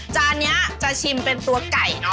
จานนี้จะชิมเป็นตัวไก่เนอะ